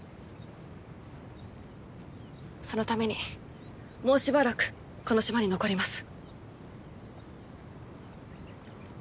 そのためにもうしばらくこの島に残ります。